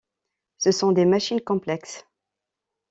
Ce sont des machines complexes.